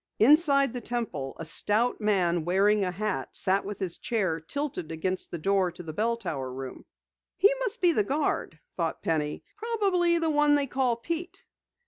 Inside the Temple, a stout man wearing a hat sat with his chair tilted against the door of the bell tower room. "He must be the guard," thought Penny. "Probably the one they call Pete."